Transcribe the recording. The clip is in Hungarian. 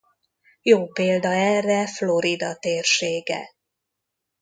Jó példa erre Florida térsége.